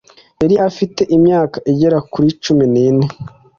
yari afite imyaka igera kuri cumi n'ine